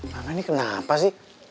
mama ini kenapa sih